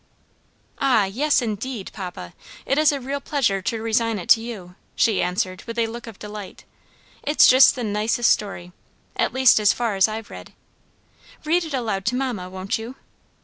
"Ah yes, indeed, papa! it is a real pleasure to resign it to you," she answered with a look of delight. "It's just the nicest story! at least as far as I've read. Read it aloud to mamma, won't you?"